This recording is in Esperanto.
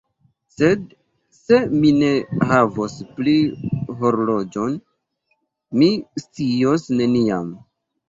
Sed se mi ne havos pli horloĝon, mi scios neniam.